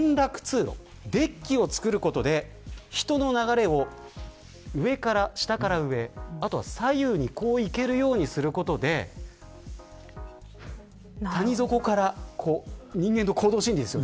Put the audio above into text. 連絡通路、デッキを造ることで人の流れを下から上へあとは左右に行けるようにすることで谷底から人間の行動心理ですよね。